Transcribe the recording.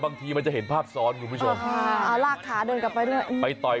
บางทีมันจะเห็นภาพซ้อนรอบแลกขาโดนกลับให้ด้วย